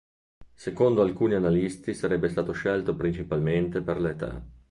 Secondo alcuni analisti sarebbe stato scelto principalmente per l'età.